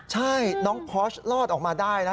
ใช่น้องพอสรอดออกมาได้นะ